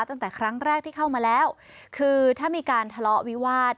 ตั้งแต่ครั้งแรกที่เข้ามาแล้วคือถ้ามีการทะเลาะวิวาส